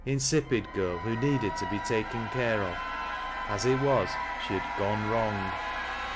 36 insipid girl wiio neeaed to be taken care of ; as it was filie had "gone wrong."